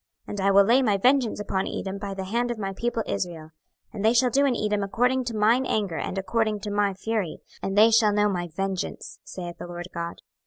26:025:014 And I will lay my vengeance upon Edom by the hand of my people Israel: and they shall do in Edom according to mine anger and according to my fury; and they shall know my vengeance, saith the Lord GOD.